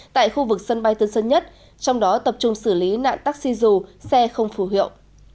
tại khu vực sân bay tân sơn nhất trong đó tập trung xử lý nạn taxi dù xe không phù hiệu